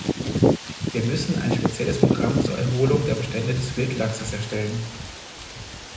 Wir müssen ein spezielles Programm zur Erholung der Bestände des Wildlachses erstellen.